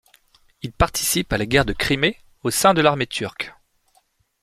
Il participe à la guerre de Crimée au sein de l'armée turque.